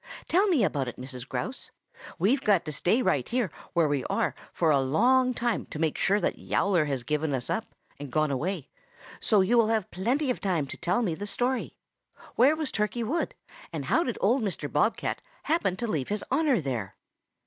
"Tell me about it, Mrs. Grouse. We've got to stay right where we are for a long time to make sure that Yowler has given us up and gone away, so you will have plenty of time to tell me the story. Where was Turkey Wood, and how did old Mr. Bob cat happen to leave his honor there?"